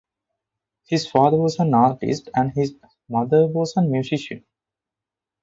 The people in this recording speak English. His father was an artist and his mother was a musician.